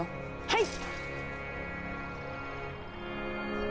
はい！